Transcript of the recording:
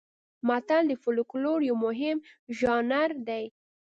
متل د فولکلور یو مهم ژانر دی